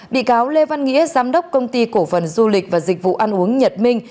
bị cáo lê văn nghĩa giám đốc công ty cổ phần du lịch và dịch vụ ăn uống nhật minh